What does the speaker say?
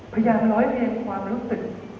พยายามล้อยเรียนความรู้สึก